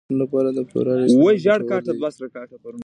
د غاښونو لپاره د فلورایډ استعمال ګټور دی.